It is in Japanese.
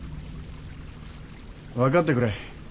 分かってくれ。